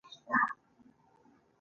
ګاز د افغانانو د ژوند طرز اغېزمنوي.